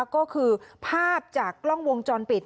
ก็คือภาพจากกล้องวงจรปิด